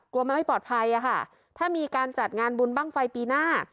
ไม่ปลอดภัยอ่ะค่ะถ้ามีการจัดงานบุญบ้างไฟปีหน้า